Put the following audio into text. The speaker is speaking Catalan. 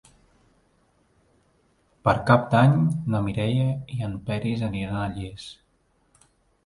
Per Cap d'Any na Mireia i en Peris aniran a Llers.